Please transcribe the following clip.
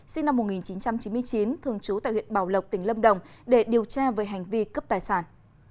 sinh năm một nghìn chín trăm chín mươi chín thường trú tại huyện bảo lộc tỉnh lâm đồng để điều tra về hành vi cướp tài sản